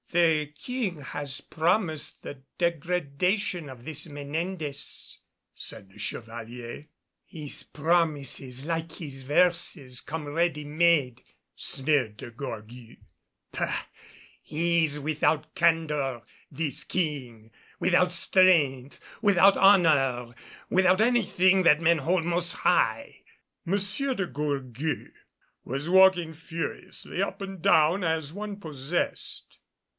"The King has promised the degradation of this Menendez," said the Chevalier. "His promises, like his verses, come ready made," sneered De Gourgues. "Pah! he is without candor, this King; without strength, without honor, without anything that men hold most high." M. de Gourgues was walking furiously up and down as one possessed.